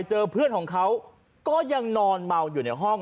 เจอเพื่อนของเขาก็ยังนอนเมาอยู่ในห้อง